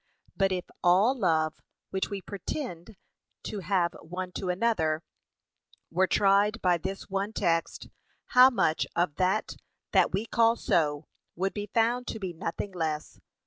But if all love, which we pretend to have one to another, were tried by this one text, how much of that that we call so, would be found to be nothing less?